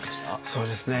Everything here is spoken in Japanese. そうですね